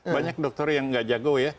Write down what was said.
banyak dokter yang nggak jago ya